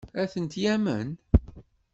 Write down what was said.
Ad tent-yamen?